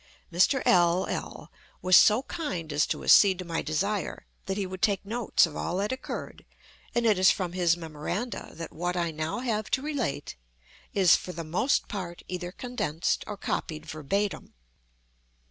Mr. L—l was so kind as to accede to my desire that he would take notes of all that occurred, and it is from his memoranda that what I now have to relate is, for the most part, either condensed or copied verbatim.